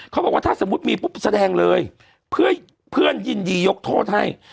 เขาบอกว่าถ้าสมมุติมีปุ๊บแสดงเลยเพื่อนยินดียกโทษให้